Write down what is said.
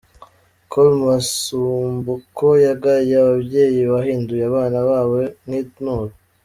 Col Masumbuko yagaye ababyeyi bahinduye abana babo nk’inturo .